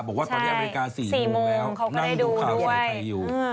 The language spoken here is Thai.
บอกว่าตอนนี้อเมริกา๔โมงแล้วเขาก็ได้ดูด้วย